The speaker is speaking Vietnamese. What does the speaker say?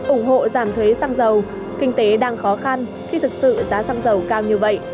ủng hộ giảm thuế xăng dầu kinh tế đang khó khăn khi thực sự giá xăng dầu cao như vậy